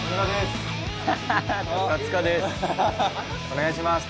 お願いします。